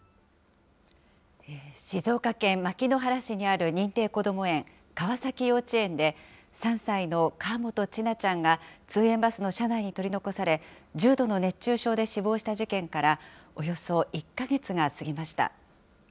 静岡県牧之原市にある認定こども園、川崎幼稚園で、３歳の河本千奈ちゃんが通園バスの車内に取り残され、重度の熱中症で死亡した事件から、およそ１か月が過ぎました。